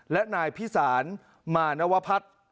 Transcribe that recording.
และนายพิสารมานวพัฒน์